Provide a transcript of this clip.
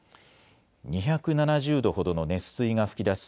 ２７０度ほどの熱水が噴き出す